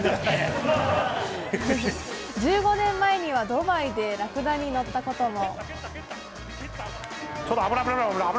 １５年前にはドバイでラクダに乗ったことも。